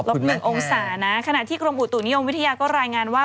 ลบหนึ่งองศานะขณะที่โครงผูตุนิยมวิทยาก็รายงานว่า